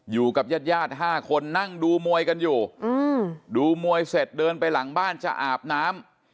อยู่กับญาติญาติ๕คนนั่งดูมวยกันอยู่ดูมวยเสร็จเดินไปหลังบ้านจะอาบน้ำ